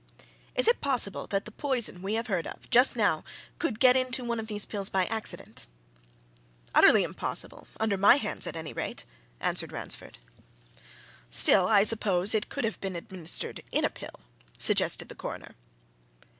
"Is it possible that the poison we have beard of, just now, could get into one of those pills by accident?" "Utterly impossible! under my hands, at any rate," answered Ransford. "Still, I suppose, it could have been administered in a pill?" suggested the Coroner.